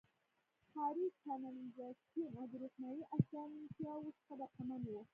ښاري کانالیزاسیون او د روښنايي اسانتیاوو څخه برخمن وو.